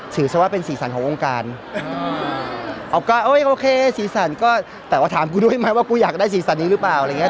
ซะว่าเป็นสีสันของวงการออฟก็เอ้ยโอเคสีสันก็แต่ว่าถามกูด้วยไหมว่ากูอยากได้สีสันนี้หรือเปล่าอะไรอย่างเงี้